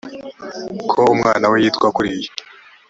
ko umwana we yitwa kuriya